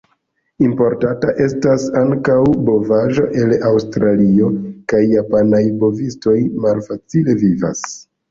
Importata estas ankaŭ bovaĵo el Aŭstralio, kaj japanaj bovistoj malfacile vivas.